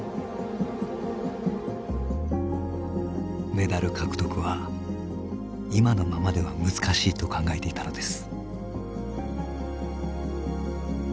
メダル獲得は今のままでは難しいと考えていたのです。